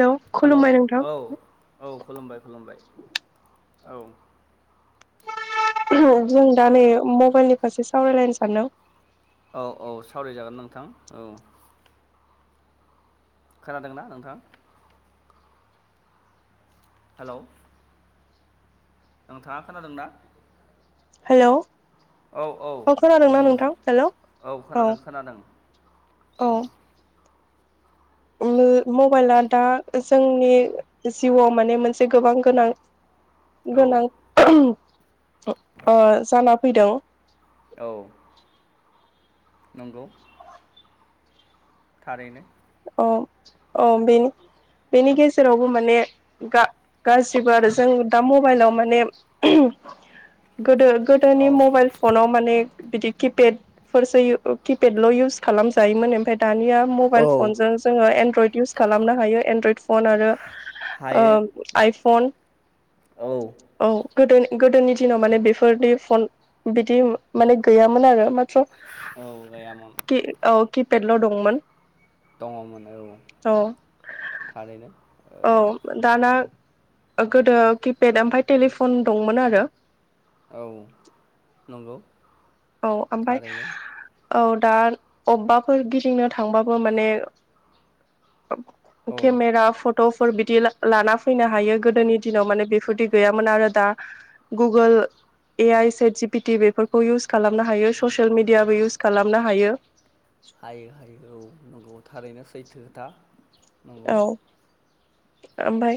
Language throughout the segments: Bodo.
हेलौ हेल' औ खुलुमबाय नोंथां औ खुलुमबाय खुलुमबाय औ। जों दा नै मबाइलनि फारसे सावरायलायनो सानदों। औ औ सावरायजागोन नोंथां औ। खोनादोंना नोंथां। हेल' आं थाङा खोनादोंना? हेल' औ औ बुंदोंथां हेलौ औ खोनादों खोनादों। औ। मबाइला दा जोंनि जिउआव माने मोनसे गोबां गोनां। औ गोनां जाना फैदों। औ नंगौ। थारैनो। औ औ बेनि बेनि गेजेरावबो माने गा-गाज्रिबो आरो जों दा मबाइलाव माने गोदो गोदोनि औ मबाइल फनाव माने बिदि किपेडफोरसो किपेडल' इउस खालामजायोमोन ओमफ्राय दानिया मबाइल। औ फन जजों जोङो एनड्रइड इउस खालामनो हायो एनड्रइड फन आरो हायो आइ। फन औ औ गोदो गोदोनि दिनाव माने बेफोरनि फन बिदि माने गैयामोन आरो म औ गैयामोन औ किपटल' दंमोन दङमोन औ औ थारैनो औ दाना गोदो किपेड ओमफ्राय टेलिफन दंमोन आरो। औ नंगौ औ ओमफ्राय। थारैनो औ दा अबेबाफोर गिदिंनो थांबाबो माने। के औ मेर फट' फोर बिदि लाना फैनो हायो गोदोनि दिनाव माने बेफोरदि गैयामोन आरो दा गुगोल ए आइ सेट जि पि टि बेफोरखौ इउस खालामनो हायो ससियेल मिडियाबो इउस खालामनो हायो। हायो हायो औ नंगौ थारैनो सैथो खोथा नंगौ। ओमफाय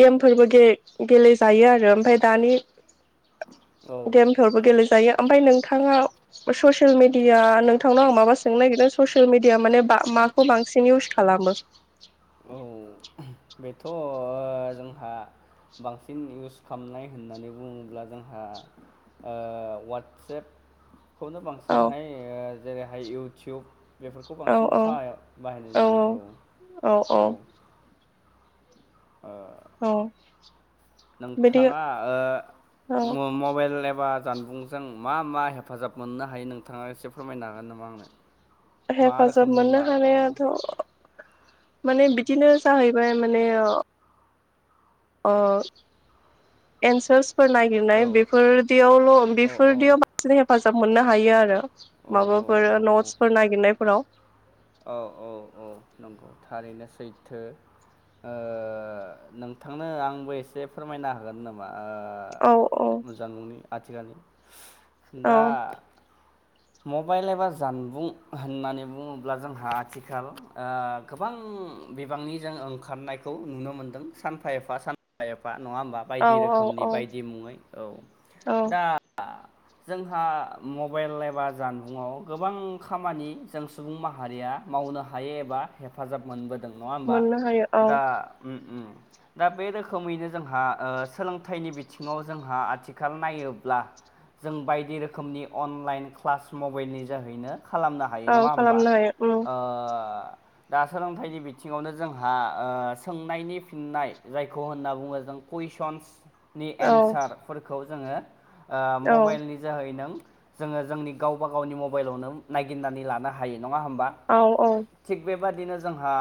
गेमफोरबो गे-गेलेजायो आरो ओमफाय दानि औ गेमफोरबो गेले जायो ओमफाय नोंथाङा ससियेल मिडिया नोंथांनाव आं माबा सोंनो नागिरदों ससियेल मिडिया माने माखौ बांसिन इउस खालामो? औ बेथ' जोंहा बांसिन इउस खालामनाय होननानै बुङोब्ला जोंहा ओ वाट्सएप [unintelligible] खौनो औ बांसिनहाय जेरैहाय इउटुब बेफोरखौ औ बांसिन औ फाहायाव बाहायनाय जायो औ। औ औ अ औ बिदि नोंथाङा औ ओ मबाइल एबा जानबुंजों मा मा हेफाजाब मोननो हायो नोंथाङा एसे फोरमायनो हागोन नामा आंनो? मा हेफाजाब रोखोमनि मोननो मा औ हानायाथ' माने बिदिनो जाहैबाय माने अ एन्सार्स फोर औ नागिरनाय बेफोरदियावल' औ बेफोरदियाव बांसिन हेफाजाब मोननो हायो आरो। औ माबाफोर नट्सफोर नागिरनायफोराव। औ औ औ नंगौ थारैनो सैथो। ओ नोंथांनो आंबो एसे फोरमायना हागोन नामा? औ औ ओ जानबुंनि आथिखालनि औ दा मबाइल एबा जानबुं होननानै बुङो ब्ला जोंहा आथिखाल गोबां बिबांनि जों ओंखारनायखौ नुनो मोनदों। सानफा एफा सानफा एफा नङा होमबा? औ बायदि रोखोमनि औ बायदि मुङै औ औ दा जोंहा मबाइल एबा जानबुंआव गोबां खामानि जों सुबुं माहारि हारिया मावनो हायो एबा हेफाजाब मोनबोदों नङा होमबा? मोननो हायो औ दा दा बे रोखोमैनो जोंहा ओ सोलोंथाइनि बिथिङाव जोंहा आथिखाल नायोब्ला जों बायदि रोखोमनि अनलाइन क्लास मबाइलनि जोहैनो खालामनो हायो औ नङा होमबा? खालामनो हायो उम ओ ओ दा सोलोंथाइनि बिथिङावनो जोंहा सोंनायनि फिननाय जायखौ होनना बुङो जों कुइसनस नि औ एन्सारफोरखौ जोङो ओ औ मबाइलनि जोहै नों जोङो जोंनि गावबा गावनि मबाइलावनो नायगिरनानै लानो हायो नङा होमबा? औ औ थिग बेबादिनो जोंहा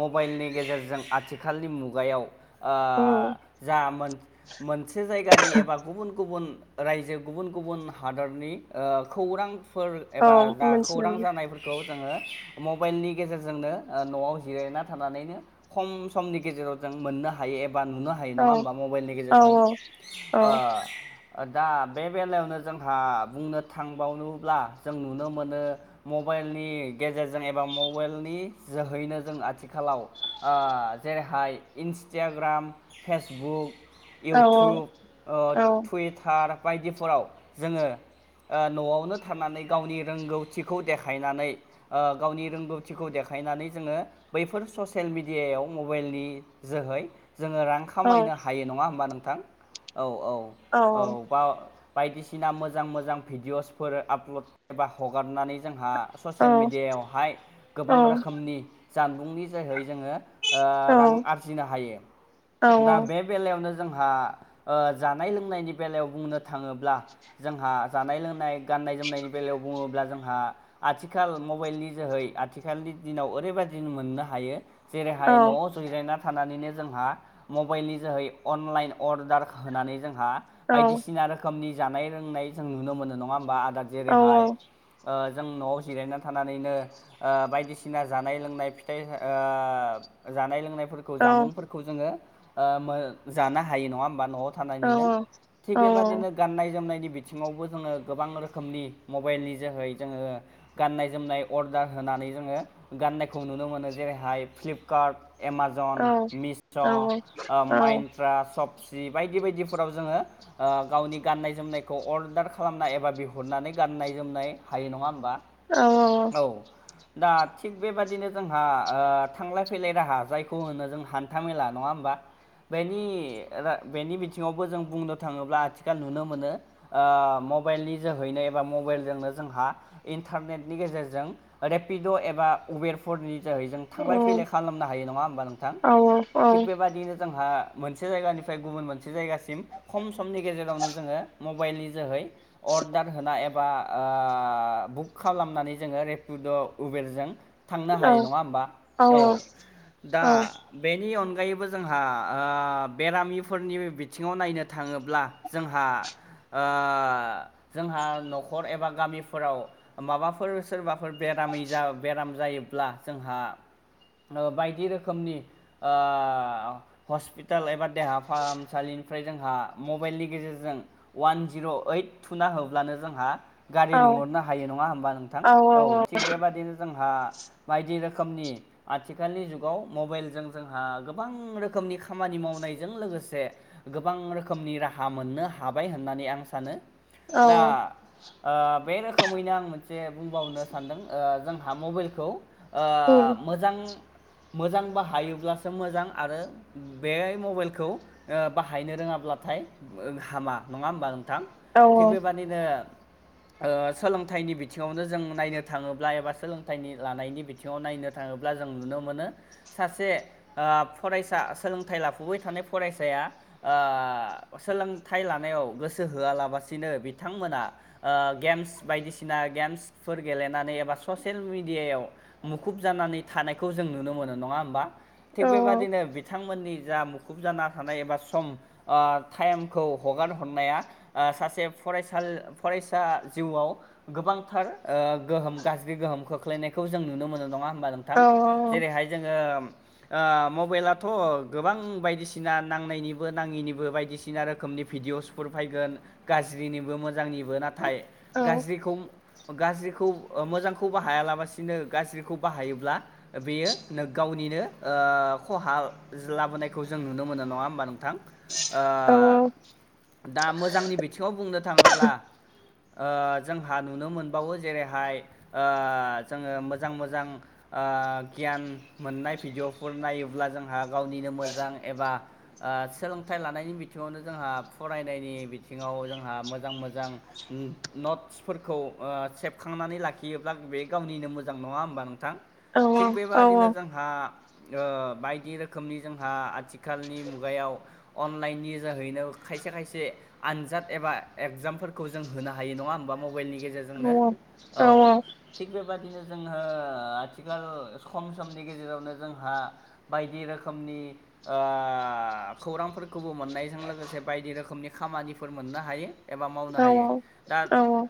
मबाइलनि गेजेरजों आथिखालनि मुगायाव ओ उम जा मोन-मोनसे जायगानि एबा गुबुन गुबुन रायजो गुबुन गुबुन हादरनि ओ खौरां फोर औ एबा जा मोनथिनो खौरां मोनो जानायफोरखौ जोङो मबाइलनि गेजेरजोंनो न'आव जिरायना थानानैनो खम समनि गेजेराव जों मोननो हायो एब बा नुनो हायो नङा होमबा? मबाइलनि औ गेजेरजों औ ओ ओ दा बे बेलायावनो जोंहा बुंनो थांबावनोब्ला जों नुनो मोनो मबा मबाइलनि गेजेरजों एबा मबाइलनि जोहैनो जों आथिखालाव जेरैहाय इन्स इन्सटाग्राम फेसबुक औ इउटुब टुइटार बायदिफोराव जोङो ओ न'आवनो थानानै गावनि रोंगौथिखौ देखायनानै ओ गावनि रोंगौथिखौ देखायनानै जोङो बैफोर ससियेल मेडियायाव मबाइलनि जोहै जोङो रां औ खामायनो हायो नङा होमबा नोंथां औ औ औ बा बायदिसिना मोजां मोजां भिडिअ'सफोर आपल'ड एबा हगारनानै जोंहा ससियेल मिडिया यावहाय गोबां रोखोमनि जानबुंनि जोहै जोङो ओ रां आरजिनो हायो दा बे बेलायावनो जों जोंहा ओ जानाय लोंनायनि बेलायाव बुंनो थाङोब्ला जोंहा जानाय लोंनाय गानाय जोमनायनि बेलायाव बुङोब्ला जोंहा आथिखाल मौ मबाइलनि जोहै आथिखालनि दिनाव ओरैबायदि मोननो हायो जेरैहाय न'आव जिरायना थानानैनो जोंहा मबाइलनि जोहै अनलाइन अर्डार होनानै जों बायदिसिना रोखोमनि जानाय रोंनाय जों नुनो मोनो नङा होमबा औ जेरैहाय ओ जों न'आव जिरायनानै थानानैनो ओ बायदिसिना जानाय लोंनाय फिथाइ ओ जानाय -लोंनाय फोरखौ औ जामुं फोरखौ जोङो ओ मो जानो हायो नङा होनबा नआव थानानैनो थिक मबाइल बेबायदि गाननाय जोमनाय नि बिथिंङावबो जोङो गोबां रोखोमनि मबाइल नि जोहै जोंङो गाननाय जोमनाय अर्डार होनानै जोङो गाननायखौ नुनो मोनो जेरैहाय फ्लिपकार्ट एमाजन मिस' ओ माइन्त्रा सबस बायदि बायदिफोराव जोङो ओ गावनि गाननायनायखौ अरदार खालामनाय एबा बिहरनानै गानो गाननाय जोमनाय हायो नङा होमबा औ औ औ दा थिग बेबादिनो जोंहा ओ थांलाय फैलाय राहा जायखौ होनो जों हान्था मेला नङा होमबा बेनि बेनि बिथिङावबो जों बुंनो थाङोब्ला आथिखाल नुनो मोनो ओ मबाइलनि जोहैनो एबा मबाइलजोंनो जोंहा इन्टारनेट नि गेजेरजों रेपिड' एबा उबेरफोरनि जोहै जों थांलाय फैलाय खालामनो हायो नङा होमबा नोंथां थिग बेबादियैनो जोंहा मोनसे जायगानिफ्राय गुबुन मोनसे जायगासिम खम समनि गेजेरावनो जोङो मबाइलनि जोहै अर्डार होना एबा ओ बुक खालामनानै जोङो रेपिद' उबेरजों थांनो हायो नङा हबा औ दा बेनि अन- गायैबो जोंहा ओ बेरामिफोरनि बिथिङाव नायनो थाङोब्ला जोंहा ओ जोंहा न'खर एबा गामिफोराव माबाफोर सोरबाफोर बेरामि बेराम जायोब्ला जोंहा ओ बायदि रोखोमनि ओ हस्पिटाल एबा देहा फाहामसालिनि निफ्राय जोंहा मबाइलनि गेजेरजों वान जिर' ओइट थुना होब्लानो जोंहा गारि लिंहरनो हायो नङा हबा नोंथां औ थिग बेबाददिनो जोंहा बायदि रोखोमनि आथिखालनि जुगाव मबाइलजों जोंहा गोबां रोखोमनि खामानि मावनायजों लोगोसे गोबां रोखोमनि राहा मोननो हाबाय होननानै आं सानो। दा ओ बे रोखोमैनो आं मोनसे बुंबावनो सानदों ओ जों हा मबाइलखौ ओ मोजां मोजां बाहायोब्लासो मोजां आरो बेहाय मबाइलखौ बाहायनो रोङाब्ला थाय हामा नङा होमबा नोंथां थिग बेबादिनो सोलोंथाइनि बि- बिथिङावनो जों नायनो थाङोब्ला एबा सोलोंथाइनि लानायनि बिथिङाव नायनो थाङोब्ला जों नुनो मोनो सासे ओ फरायसा सोलोंथाइ लाफुबाय थानाय फरायसाया ओ सोलोंथाइ लानायाव गोसो होआलाबसिनो बिथांमोना ओ गेम्स बायदिसिना गेम्सफोर गेलेनानै एबा ससियेल मिडियायाव मुखुब जानानै थानायखौ जों नुनो मोनो नङा होमबा? थिग बेबादिनो बिथांमोननि जा मुखुब जाना थानाय एबा सम ओ टाइमखौ हगार हरनाया सासे फरायसा फरायसा जिउआव गोबां थार गोहोम गाज्रि गोहोम खोख्लैनायखौ जों नुनो मोनो नङा होमबा नोंथां? जेरैहाय जोङो ओ मबाइलाथ' गोबां बायदिसिना नांनायनिबो नाङिनिबो बायदिसिना रोखोमनि भिडिअसफोर फैगोन गाज्रिनिबो मोजांनिबो नाथाय गाज्रिखौ गाज्रिखौ मोजांखौ बाहायालासिनो गाज्रिखौ बाहायोब्ला बेयो गावनि नो ओ खहा लाबोनायखौ जों नुनो मोनो नङा होमबा नोंथां? ओ दा मोजांनि बिथिङाव बुंनो थाङोब्ला ओ जोंहा नुनो मोन बावो जेरैहाय ओ जोङो मोजां मोजां गियान मोननाय भिडिअफोर नायोब्ला जोंहा गावनिनो मोजां एबा ओ सोलोंथाइ लानायनि बिथिङावनो जों जोंहा फरायनायनि बिथिङाव जोंहा मोजां मोजां नट्सफोरखौ ओ सेबखांनानै लाखियोब्ला बे गावनिनो मोजां नङा होमबा नोंथां? थिग बेबादिनो जोंहा ओ बायदि रोखोमनि जोंहा आथिखालनि मुगायाव अनलाइननि जोहैनो खायसे खायसे आनजाद एबा एगजामफोरखौ जों होनो हायो नङा होमबा मबाइलनि गेजेरजों नों औ थिग बेबादिनो जोंङो आथिखाल खम समनि गेजेरावनो जोंहा बायदि रोखोमनि ओ खौरांफोरखौबो मोननायजों लोगोसे बायदि रोखोमनि खामानिफोर मोननो हायो। एबा मावनो हायो। दा औ औ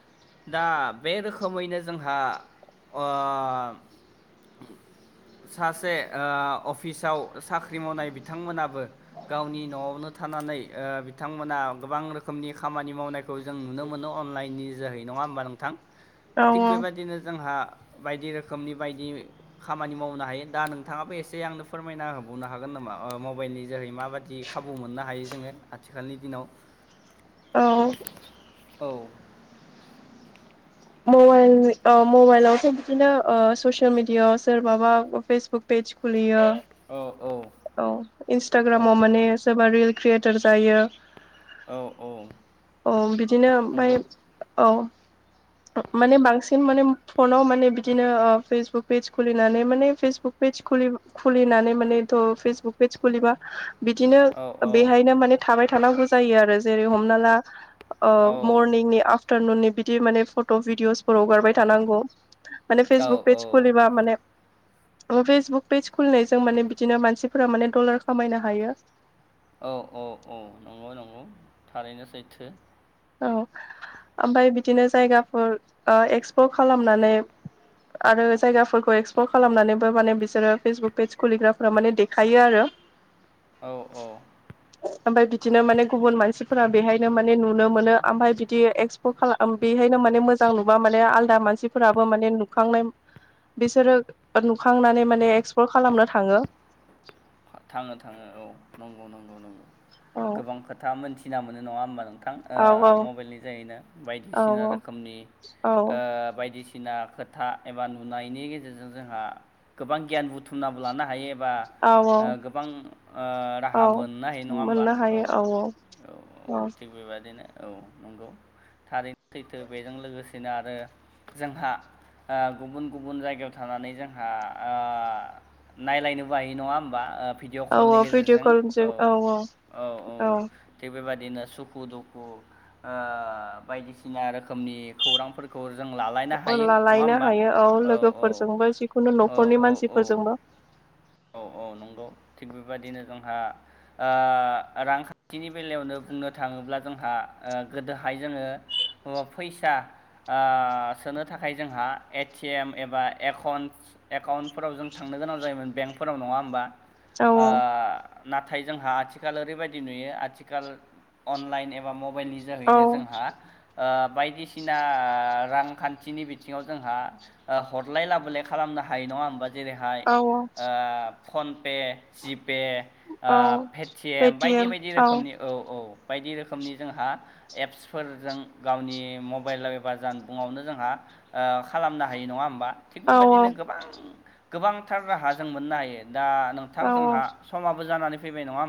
दा बे रोखोमैनो जोंहा ओ [unintelligible] सासे अफिसाव साख्रि मावनाय बिथांमोनाबो गावनि न'आवनो थानानै बिथांमोना गोबां रोखोमनि खामानि मावनायखौ जों नुनो मोनो अनलाइननि जोहैनो। नङा होमबा नोंथां? थिग बेबायदिनो जोंहा बायदि रोखोमनि बायदि खामानि मावनो हायो दा नोंथाङाबो एसे आंनो फोरमायना होबावनो हागोन नामा? मबाइलनि जोहै माबादि खाबु मोननो हायो जोङो आथिखालनि दिनाव औ औ मबाइल मबाइलावथ' बिदिनो ससियेल मिडिया सोरबाबा फेसबुक पेज खुलियो। औ औ औ औ इन्सटाग्रामाव माने सोरबा रिल क्रियेटर जायो। औ औ औ बिदिनो नंगौ ओमफ्राय औ माने बांसिन माने फनाव माने बिदिनो ओ फेसबुक पेज खुलिनानै माने फेसबुक पेज खुलि-खुलिनानै माने ' फेसबुक पेज खुलिबा बिदिनो औ बेहायनो माने थाबाय था थानांगौ जायो आरो जेरै हमना ला औ मर्निंनि आफ आफटारनुननि बिदि माने फट' भिडिअसफोराव गारबाय थानांगौ। माने औ फेसबुक पेज औ खुलिबा माने फेसबुक पेज खुलिनायजों माने बि बिदिनो मानसिफोरा माने डलार खामायनो हायो। औ औ औ नंगौ नंगौ थारैनो सैथो औ ओमफ्राय बिदिनो जायगाफोर एक्सप्लर खालामनानै आरो जायगाफोरखौ एक्सप्लर खालामनानैबो माने बिसोरो फेसबुक पेज खुलिग्राफोरा माने देखायो आरो। [unintelligible] औ औ ओमफाय बिदिनो माने गुबुन मानसिफोरा बेहायनो माने नु नुनो मोनो ओमफाय बिदि एक्सप' खालाम बेहायनो माने मोजां नुबा माने आलदा मानसिफोराबो माने नुखांनाय बिसोरो नुखांनानै माने एक्सप्लर खालामनो थाङो। थाङो थाङो औ नंगौ नंगौ नंगौ औ गोबां खोथा मोनथिना मोनो नङा होमबा नों थां ओ औ मबाइलनि जायैनो औ बायदिसिना रोखोमनि औ ओ बायदिसिना सिना खोथा एबा नुनायनि गेजेरजों जोंहा गोबां गियान बुथुमनाबो लानो हायो। औ बख औ गोबां राहा औ मोननो हायो नङा होमबा औ। औ औ थिग बेबादिनो औ नंगौ। थारैनो सैथो बेजों लोगोसेनो आरो जोंहा ओ गुबुन गुबुन जायगायाव थानानै जोंहा ओ नायलायनोबो हाय नङा होम बा भिडिअ' औ कलनि औ भिडिअ गेजेरजों कलजों औ औ औ थिग बेबादि बिदिनो सुखु दुखु ओ बायदिसिना रोखोमनि खौरांफोरखौ जों लालायनो हायो नङा लालायनो होमबा? हायो औ औ औ लोगोफोरजोंबो जिखुनु न'खरनि औ औ मानसिफोरजोंबो औ औ नंगौ थिग बेबायदिनो जोंहा ओ रांखान्थिनि बेलायावनो बुंनो थाङो ब्ला जोंहा ओ गोदोहाय जोङो फैसा ओ सोनो थाखाय जोंहा ए टि एम एबा एकाउन्ट एकाउन्टफोराव जों थांनो नो गोनां जायोमोन बेंकफोराव नङा होमबा? औ ओ औ नाथाय जोंहा आथिखाल ओरैबायदि नुयो आथिखाल अनलाइन एबा मब बाइलनि औ जोहैनो जोंहा ओ बायदिसिना रांखान्थिनि बिथिङाव जोंहा हरलाय लाबोलाय खालाम नो हायो नङा होमबा जेरैहाय औ फनपे जिप पे ओ औ पेटिएम बायदि बायदि रोखोमनि औ औ। बायदि रोखोमनि जोंहा एप्सफोरजों गावनि मबाइल एबा जानबुंआवनो जोंहा ओ खालामनो हायो नङा होमबा? थिग औ बेबायदिनो गोबां गोबांथार राहा जों मोननो हायो। दा नोंथां औ औ जोंहा समाबो जानानै फैबाय नङा